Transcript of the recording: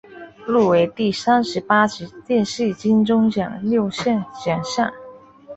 入围第三十八届电视金钟奖六项奖项。